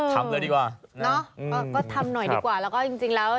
ทำเลยดีกว่าเนอะก็ทำหน่อยดีกว่าแล้วก็จริงแล้ว